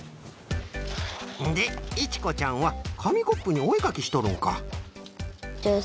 でいちこちゃんはかみコップにおえかきしとるんか。